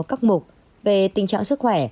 các mục về tình trạng sức khỏe